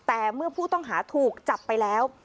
แต่เมื่อผู้ต้องหาถูกจับไปแล้ว